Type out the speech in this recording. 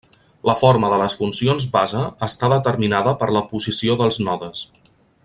La forma de les funcions base està determinada per la posició dels nodes.